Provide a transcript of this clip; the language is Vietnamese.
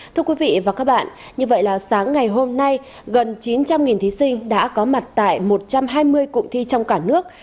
thưa quý vị và các bạn như vậy là sáng ngày hôm nay gần chín trăm linh thí sinh đã có mặt tại một trăm hai mươi cụm thi trong cả nước